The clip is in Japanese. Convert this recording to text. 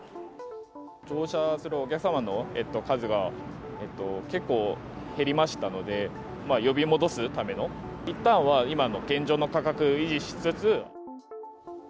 乗車するお客様の数が、結構減りましたので、呼び戻すための、いったんは今の現状の価格を維持しつつ。